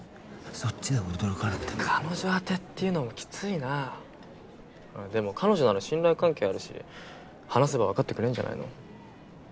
そっちで驚かなくても彼女宛てっていうのもきついなでも彼女なら信頼関係あるし話せば分かってくれるんじゃないの？